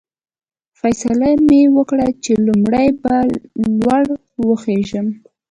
فیصله مې وکړل چې لومړی به لوړ وخېژم.